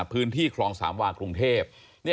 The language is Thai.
พื้นที่คลองสามวากรุงเทพ